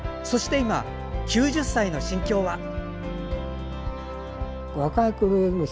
そして今、９０歳の心境は？